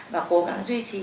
và cố gắng duy trì